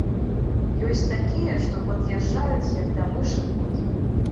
Ёсць такія, што пад'язджаюць, як да мышы кот.